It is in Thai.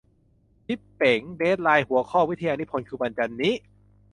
ชิปเป๋ง เดดไลน์หัวข้อวิทยานิพนธ์คือวันจันทร์นี้ !